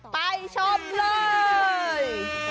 ไปชอบเลย